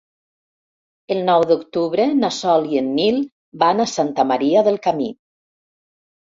El nou d'octubre na Sol i en Nil van a Santa Maria del Camí.